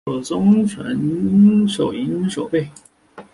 授松江城守营守备。